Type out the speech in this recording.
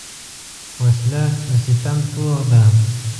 وسله د ستم توغ ده